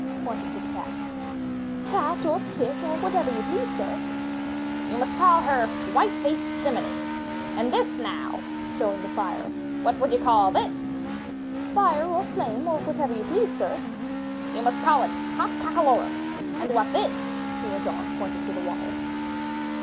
pointing to the cat. "Cat or kit, or whatever you please, sir." 410 UP ONE PAIR OF STAIRS n You must call her ^white faced simminy/ And this now," showing the fire, *Vhat would you call this?" 'Tire or flame, or whatever you please, sir." *'You must call it 'hot cockalorum,' and what this?" he went on, pointing to the water.